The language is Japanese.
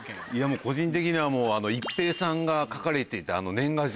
個人的には一平さんが書かれていた年賀状。